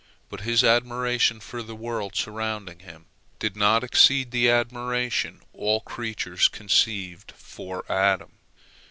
But his admiration for the world surrounding him did not exceed the admiration all creatures conceived for Adam.